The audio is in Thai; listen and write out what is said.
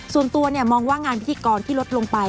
ส่วนตัวมองว่างานพิธีกรที่ลดลงไป